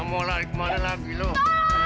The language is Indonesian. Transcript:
mau lari kemana lagi loh